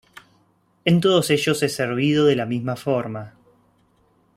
En todos ellos es servido de la misma forma.